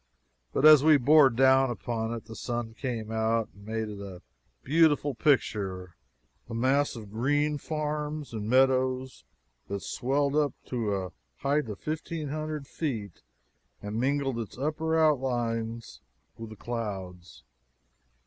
But as we bore down upon it the sun came out and made it a beautiful picture a mass of green farms and meadows that swelled up to a height of fifteen hundred feet and mingled its upper outlines with the clouds.